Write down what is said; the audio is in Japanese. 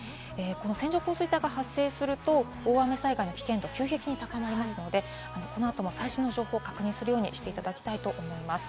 線状降水帯が発生すると、大雨災害の危険度が急激に高まりますので、この後の最新の情報を確認するようにしていただきたいと思います。